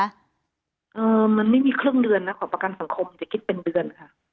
เออมันไม่มีครึ่งเดือนนะของประกันสังคมจะคิดเป็นเดือนค่ะ